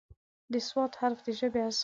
د "ص" حرف د ژبې اساس دی.